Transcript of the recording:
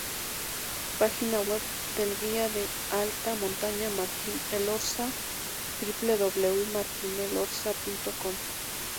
Pagina web del guia de alta montaña Martin Elorza: www.martinelorza.com